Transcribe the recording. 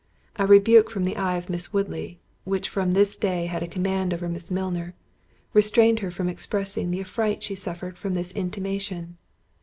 A rebuke from the eye of Miss Woodley, which from this day had a command over Miss Milner, restrained her from expressing the affright she suffered from this intimation.